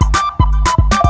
kau mau kemana